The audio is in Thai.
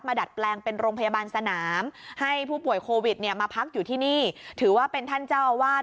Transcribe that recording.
ดัดแปลงเป็นโรงพยาบาลสนามให้ผู้ป่วยโควิดเนี่ยมาพักอยู่ที่นี่ถือว่าเป็นท่านเจ้าอาวาส